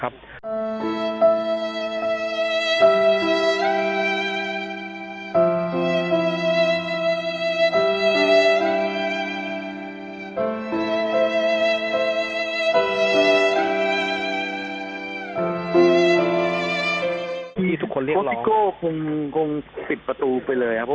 บรูซสิโก้คงปิดประตูไปเลยอ่ะเพราะว่าเขา